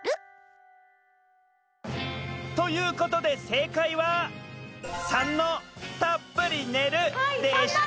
ということでせいかいは③の「たっぷり寝る」でした！